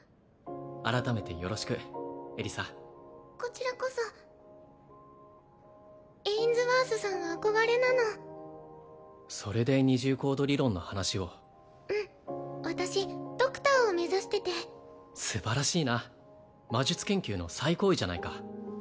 改めてよろしくエリサこちらこそエインズワースさんは憧れなのそれで二重コード理論の話をうん私ドクターを目指しててすばらしいな魔術研究の最高位じゃないか